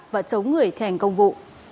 và chống người thèm công vụ